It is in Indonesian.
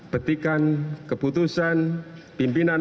kepada sekretaris jeneral